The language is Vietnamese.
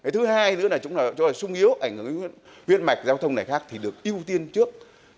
thứ hai nữa là chúng ta sung yếu ảnh hưởng đến viên mạch giao thông này khác thì được ưu tiên trước